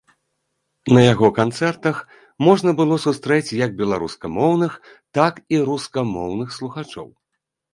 На яго канцэртах можна было сустрэць як беларускамоўных, так і рускамоўных слухачоў.